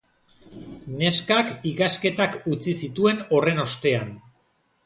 Neskak ikasketak utzi zituen horren ostean.